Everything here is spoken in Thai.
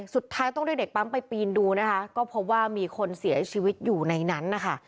สุดท้ายต้องเรียกเด็กปั๊มไปปีนดูนะคะก็พบว่ามีคนเสียชีวิตอยู่ในนั้นนะคะ